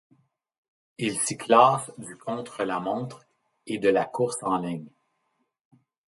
Il s'y classe du contre-la-montre et de la course en ligne.